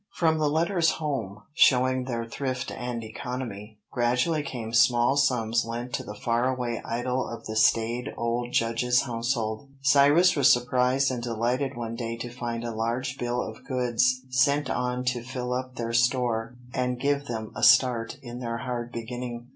From the letters home, showing their thrift and economy, gradually came small sums lent to the far away idol of the staid old Judge's household. Cyrus was surprised and delighted one day to find a large bill of goods sent on to fill up their store and give them a start in their hard beginning.